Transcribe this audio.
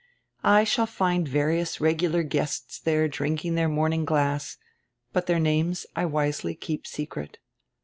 I shall find various regular guests diere drinking dieir morn ing glass, hut dieir names I wisely keep secret.